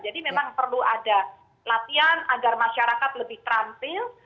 jadi memang perlu ada latihan agar masyarakat lebih terampil